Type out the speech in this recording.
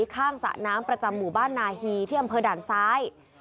สระน้ำประจำหมู่บ้านนาฮีที่อำเภอด่านซ้าย